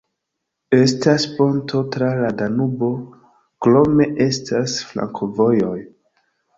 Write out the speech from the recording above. Estas ponto tra la Danubo, krome estas flankovojoj.